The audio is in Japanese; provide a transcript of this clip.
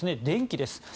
電気です。